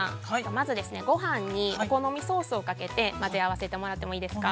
まず、ごはんにお好みソースをかけて混ぜ合わせてもらってもいいですか。